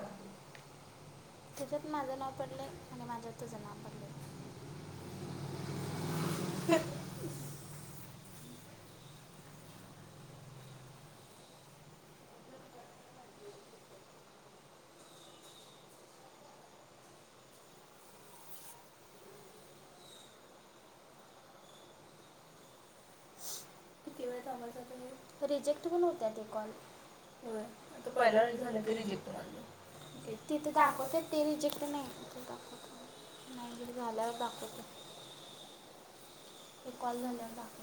हम तुझ्यात माझं नाव पडलंय माझ्यात तुझं नाव. [inaudible] किती वेळ थांबायचं आता हे रिजेक्ट पण होत्या ते कॉल. होय तुझा पहिला नाही झालं की रिजेक्ट कॉल. ते तिथे दाखवते ते रिजेक्ट नाही नंतर झाल्यावर दाखवते. एक कॉल झाले आता‌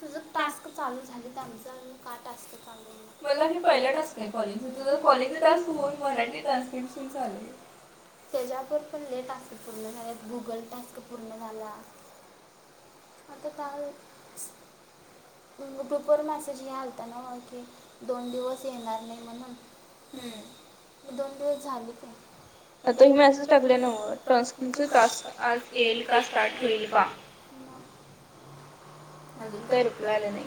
तुझं टास्क चालू झाले आमच का टास्क चालू मला हे पहिले टास्क. कॉल तूझर कॉलेजतन मराठी ट्रान्सलिप्शन चाले त्याच्यावर पण लय टास्क पूर्ण झालेत गुगल टास्क पूर्ण झाला. आता कालच ग्रुपवर मेसेज हे आलता ना की दोन दिवस येणार नाही म्हणून. हम्म दोन दिवस झाली मग. आता हे मेसेज टाकलान टॉसचे टास्क आज येईल का स्टार्ट होईल का काही रिप्लाय आलं नाही.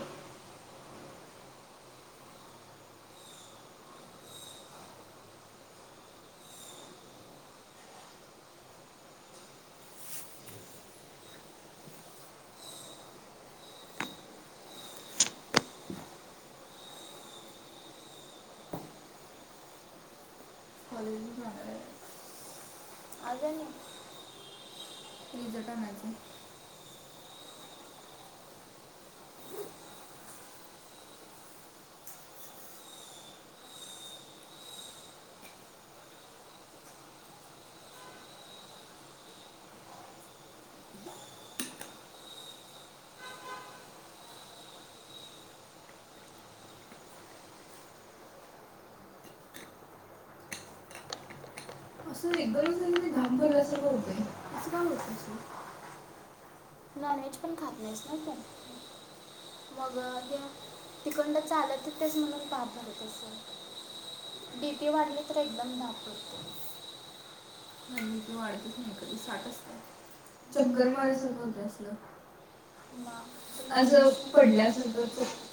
कॉलेज जा आ जा रिझल्ट होण्याची‌ असं एकदमचे धापभरल्यासारखं होत असचं का होतं? नॉन वेज पण खात नाहीस ना पण. मग हे तिकंड चा आलं तर तेच म्हणून बात भरतं. बीपी वाढली तर एकदम दाप येतो. नाही मी तू वाढतच नाही कधी साठच का? चक्कर मार्यासारखं होत असलं. असं पडल्यासारखं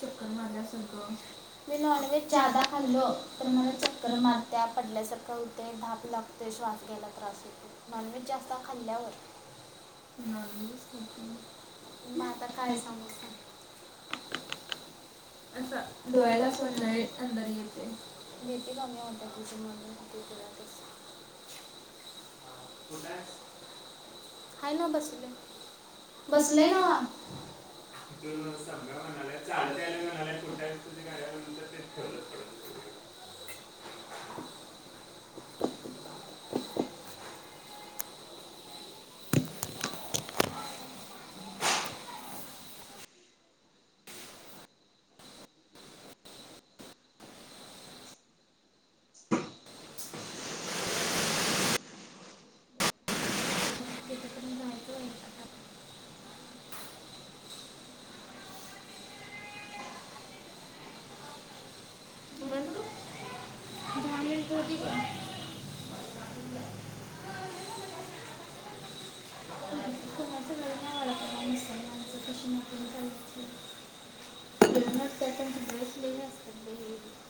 चक्कर मारल्यासारखं. मी नॉन व्हेज जादा खालो तर मला चक्कर मारत पडल्यासारखं होते. श्वास घ्यायला त्रास हो नॉनव्हेज जास्त खाल्ल्यावर. अछ मग आता काय सांगते. असा डोळ्याला अस अंदार येते. बीपी कमी होती बीपी [unintelligible] [inaudible] [unintelligible] बसले नावा. तून सगा म्हणाले चालते आले म्हणाले खोट्या झाल्यानंतर ते ठेवलं. बंद. [unintelligible] [unintelligible] [unintelligible] मुसल कशी [unintelligible] हाय कि. [unintelligible]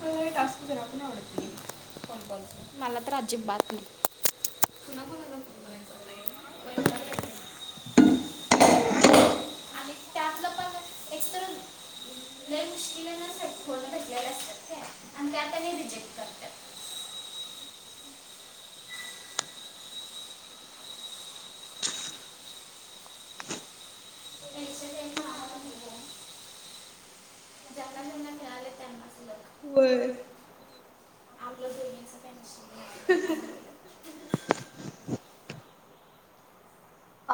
तो एक असतोय ना आवड, मला तर अजिबात हो. कोणा कोणाला. आणि त्यातलं पण एकतर लई मुश्किलनं. [unintelligible] येत असत्यात काय आणि त्यात आणि रिजेक्ट. [unintelligible] ज्यांना ज्यांना मिळाले त्यांनाच ल हो आप [unintelligible]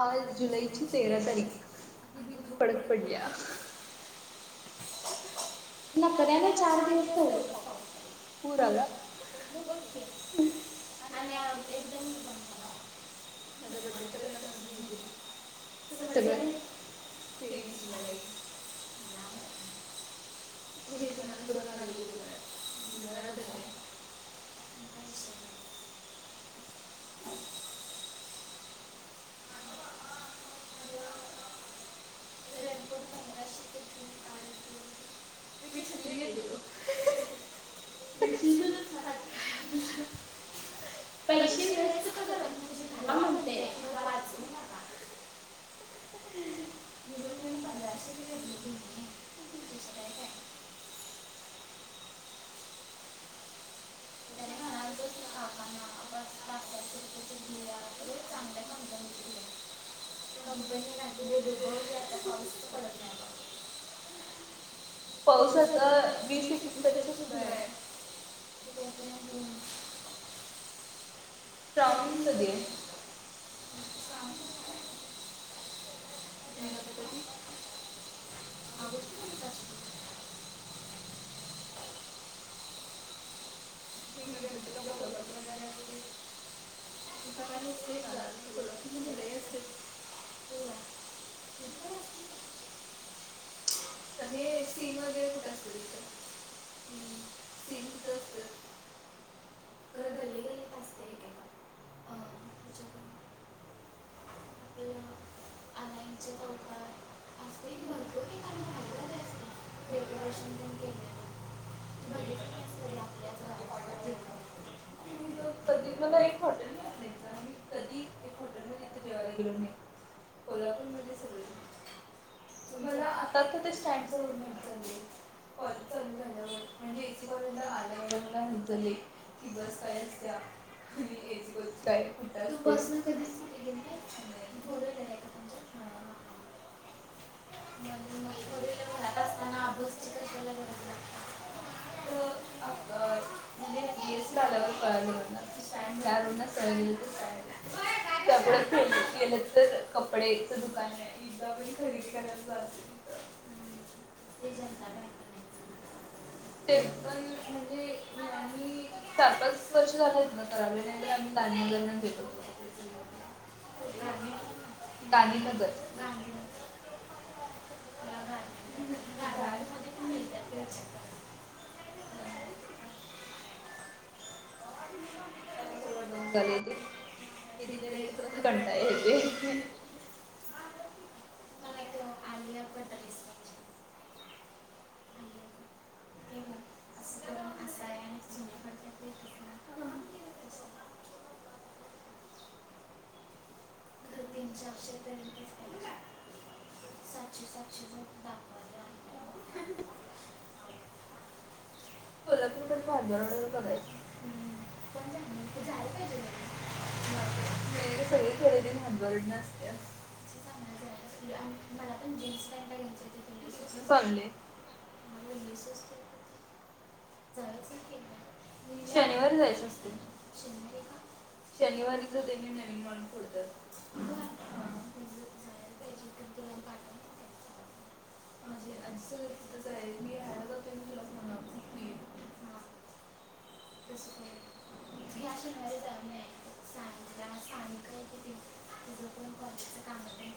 आज जुलैची तेरा तारीख आणि धूप कडक पडलया. नको ना मग चार दिवस तेवढंच. पुराला. [unintelligible] माझ्या बड्डेपर्यंत असं जाऊ दे. स, तेवीस जुलाई. मानच पुड लागलीम जमनाच येते [unintelligible] रेनकोट पंधराशे चं तीन. मी छत्री घेतलेलो. [unintelligible] पैसे व्यस्त करत म्हणजे घालवा म्हणते पण वाचवू. म्हणून मी पंधराशे घेतले चेष्टा आहे काय. तरी म्हणालतो की काकाना पाच सातशे रुपये. घ्या खर चांगल्या कंपनीची घ्या. कंपनी घातली दुगा पाऊसच पडत नाही बा. पाऊस आता वीस एकवीस तारीकच्या पुढं आहे. श्रावण कधी आहे? आणि गणपती? [unintelligible] मी गणपतीला कोल्हापूरमध्ये असते. इथं कायं नसते जास्त कोल्हापूर मध्ये लई असते. होयं इथं पण असते. तर हे सीन वगैरे कुठं असतं इथं. हम्म सीन कुठं असत्यात? खर गल्ली गल्लीत असते एक एक हां [unintelligible] असतयं की भरपूर ठिकाणी भारी भारीे असतात डेकोरेशन पण केलेलं. तू बघितली नाहीस कधी आपल्या गावात [unintelligible] मी कधी मला एक हॉटेल माहित नाही कधी एक हॉटेल मध्ये इथ जेवायला गेलो नाही. कोल्हापूरमध्ये सगळे. मला आता आता ते स्टॅडचा रोड माहित झालाय कॉलेज चालू झाल्यावर. म्हणजे इथपर्यंत आल्या वर [unintelligible] लेट कि बस काय असत्या आणि ए एस सी कॉलेज काय कुठं आहे ते. तु बसनं कधीच कुठं गेली नाहीस? [unintelligible] फोर व्हीलर घरात असताना बस ची कशाला गरज लागत्यात? तर अ [unintelligible] म्हणजे बी एस सी ला आल्यावर कळालं मला की ह्या रोडनं सरळ गेले की स्टँड येते. त्यामुळं [unintelligible] गेलं तर कपडेच दुकान आहे एकदा पण खरेदी गरम गरम जातय तीथ ते जनता बँक. ते पण म्हणजे मी चार पाच वर्ष झालेत इथन कराले नाहीतर आम्ही गांधीनगर वरन घेेतो कपडे. गांधीनगर [unintelligible] आता सगळ बंद झाले ते इथल्या इथं पण कंटाळा येतोय. असं [unintelligible] तीन चारशे पर्यंत कोल्हापूर मधून भाजवार वगैरे बघायच. पण [unintelligible] व सगळी खरेदी [unintelligible] असत्या या चालले शनिवार जायचं असते. शनिवारीच त्यांनी नवीन मान फोडतात. व्हयं हा माझे आजी घर तिथंच आहे. मी राहायला जातोय की तुला फोन लावते तू ये. हया शनिवारी जायला मिळालं चांगलं चाल हो तुझं पण कामात [unintelligible]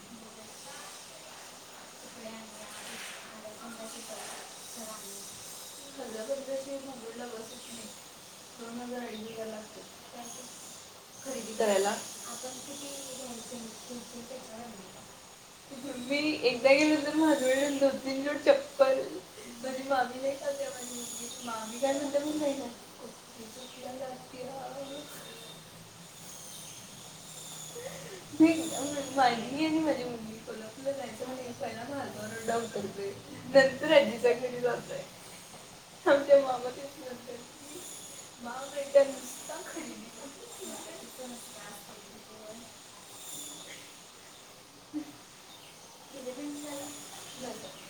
ब [unintelligible] तकडे आ [unintelligible] हजार रूपया शिवाय नबरुडला बसत नाही दोन हजार अडीच हजार लागतात. खरेदी करायला आपण किती [unintelligible] मी एकदा गेलो तर माग वेळेस दो तीन जोड चप्पल माझी मामी नाही खाते माझी मम्मी मामी काय म्हणता माहित नाही क चछपल्या ला मी माी आणि माझी मुलगी खलापलं जायचं म्हण पहि [unintelligible] करतोय नंतर आजीचा घरी जातोय. आमच्या मामा त म्हणतात कि वा बेटा नुसता खरेदी कर. हम् नंद [unintelligible]